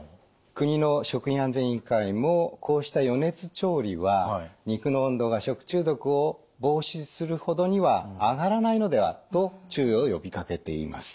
国の食品安全委員会もこうした余熱調理は肉の温度が食中毒を防止するほどには上がらないのではと注意を呼びかけています。